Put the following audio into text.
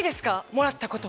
もらったこと。